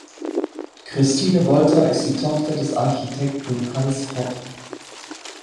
Christine Wolter ist die Tochter des Architekten Hanns Hopp.